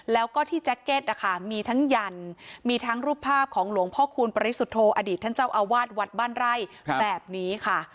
แล้วก็ที่แจ็คเก็ตนะคะมีทั้งยันมีทั้งรูปภาพของหลวงพ่อคูณปริสุทธโธอดีตท่านเจ้าอาวาสวัดบ้านไร่แบบนี้ค่ะ